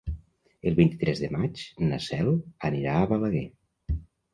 El vint-i-tres de maig na Cel anirà a Balaguer.